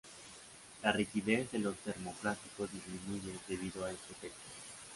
La rigidez de los termoplásticos disminuye debido a este efecto.